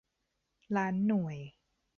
ล้านหน่วย